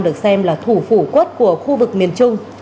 được xem là thủ phủ quất của khu vực miền trung